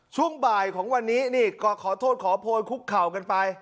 ช่วงบ่ายของวันนี้นี่ก็ขอโทษขอโพยคุกเข่ากันไป